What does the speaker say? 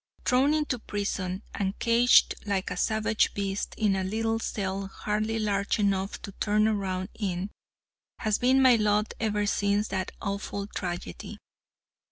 Thrown into prison, and caged like a savage beast in a little cell hardly large enough to turn around in, has been my lot ever since that awful tragedy.